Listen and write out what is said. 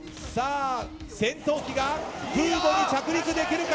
戦闘機が空母に着陸できるか。